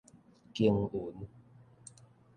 耕耘